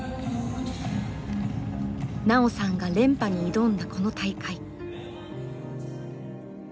奈緒さんが連覇に挑んだこの大会。